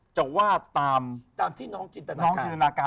จะวาดตามที่น้องจินตนาการ